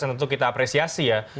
tentu kita apresiasi ya